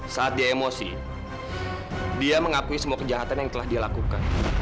saat dia emosi dia mengakui semua kejahatan yang telah dia lakukan